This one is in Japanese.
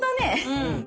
うん！